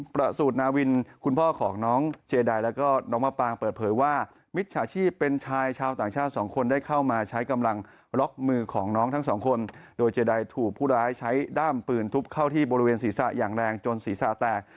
ผู้หลายใช้ด้ามปืนทุบเข้าที่บริเวณศีรษะอย่างแรงจนศีรษะแตก